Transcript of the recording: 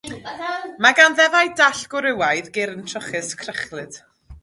Mae gan ddefaid Dall gwrywaidd gyrn trwchus crychlyd.